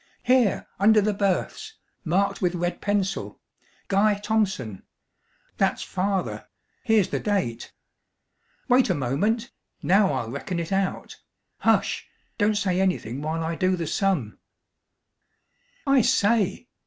"Here, under the Births marked with red pencil 'Guy Thompson!' That's Father here's the date. Wait a moment. Now I'll reckon it out. Hush! Don't say anything while I do the sum. _I say!